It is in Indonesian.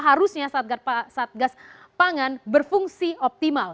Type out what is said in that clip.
harusnya satgas pangan berfungsi optimal